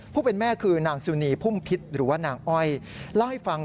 ผู้เป็นแม่คือนางสุนีพุ่มพิษหรือนางเอ๋า